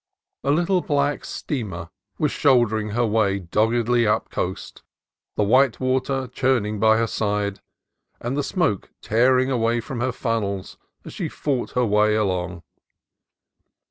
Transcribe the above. A little black steamer was shouldering her way doggedly up coast, the white water churning by her sides and the smoke tearing away from her funnels as she fought her way along.